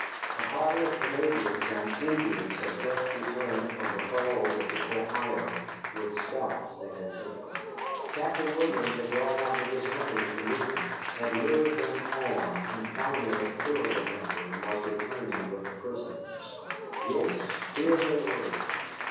A party of Canadians and Indians had just returned from the Falls of the Ohio with scalps they had taken. Captain Williams had gone out with his company to meet them, had lured them on, and finally had killed a number and was returning with the prisoners. Yes, here they were!